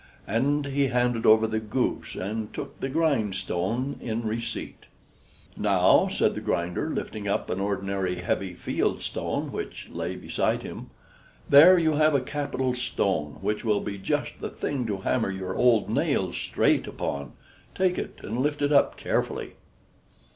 And he handed over the goose, and took the grindstone in receipt. "Now," said the grinder, lifting up an ordinary heavy field stone, which lay beside him. "There you have a capital stone, which will be just the thing to hammer your old nails straight upon. Take it and lift it up carefully."